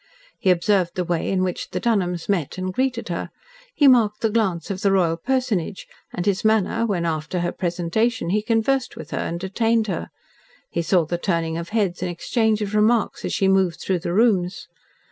He observed the way in which the Dunholms met and greeted her, he marked the glance of the royal personage, and his manner, when after her presentation he conversed with and detained her, he saw the turning of heads and exchange of remarks as she moved through the rooms.